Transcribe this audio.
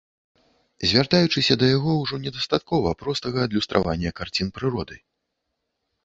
Звяртаючыся да яго, ужо недастаткова простага адлюстравання карцін прыроды.